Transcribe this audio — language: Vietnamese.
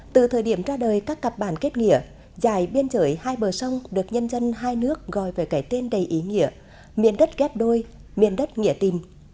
từ thời điểm ra đời các cặp bản kết nghĩa dài biên giới hai bờ sông được nhân dân hai nước gọi về cải tiến đầy ý nghĩa miền đất ghép đôi miền đất nghĩa tìm